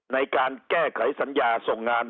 ในการแก้ไขสัญญาส่งงาน